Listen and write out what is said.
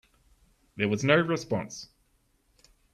There was no response.